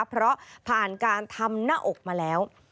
เพราะผ่านการทำหน้าอกมาแล้ว